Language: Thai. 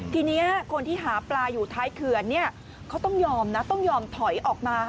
ทีนี้คนที่หาปลาอยู่ท้ายเขื่อนเขาต้องยอมนะต้องยอมถอยออกมา